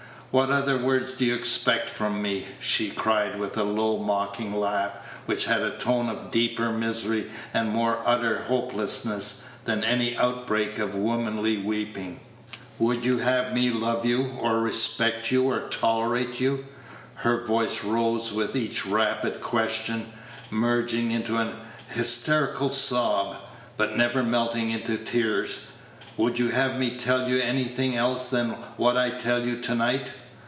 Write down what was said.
"What other words do you expect from me?" she cried with a low, mocking laugh, which had a tone of deeper misery and more utter hopelessness than any outbreak of womanly weeping. "Would you have me love you, or respect you, or tolerate you?" Her voice rose with each rapid question, merging into an hysterical sob, but never melting into tears. "Would you have me tell you anything else than what I tell you to night?